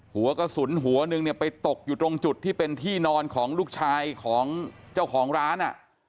หัวกระสุนหัวหนึ่งเนี่ยไปตกอยู่ตรงจุดที่เป็นที่นอนของลูกชายของเจ้าของร้าน